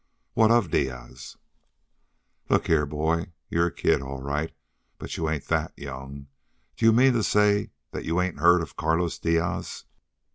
"What of Diaz?" "Look here, boy. You're a kid, all right, but you ain't that young. D'you mean to say that you ain't heard of Carlos Diaz?"